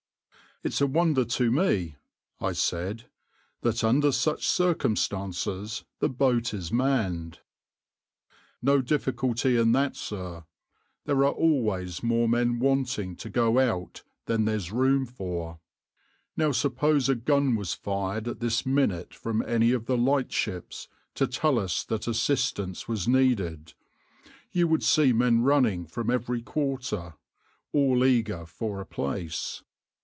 "\par "It's a wonder to me," I said, "that under such circumstances the boat is manned."\par "No difficulty in that, sir; there are always more men wanting to go out than there's room for. Now suppose a gun was fired at this minute from any of the lightships to tell us that assistance was needed you would see men running from every quarter, all eager for a place.